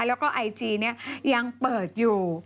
แล้วก็ไอจีนี้ยังเปิดอยู่